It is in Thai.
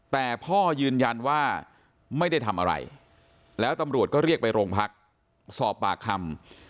แต่พ่อยืนยันว่าไม่ได้ทำอะไรแล้วตำรวจก็เรียกไปโรงพักสอบปากคำ